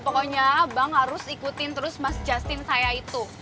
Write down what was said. pokoknya bang harus ikutin terus mas justin saya itu